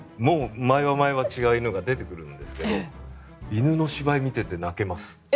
毎話、違う犬が出るんですが犬の芝居を見ていて泣けます。